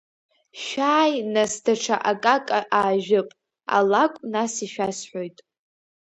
Шәааи, нас даҽа акака аажәып, алакә нас ишәасҳәоит.